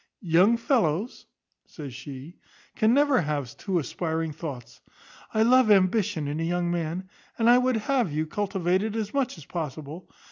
Young fellows," says she, "can never have too aspiring thoughts. I love ambition in a young man, and I would have you cultivate it as much as possible.